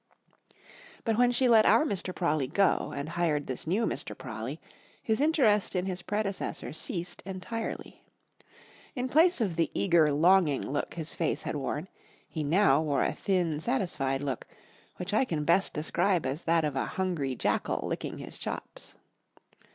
But when she let our Mr. Prawley go and hired this new Mr. Prawley, his interest in his predecessor ceased entirely. In place of the eager, longing look his face had worn, he now wore a thin, satisfied look, which I can best describe as that of a hungry jackal licking his chops.